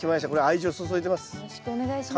よろしくお願いします。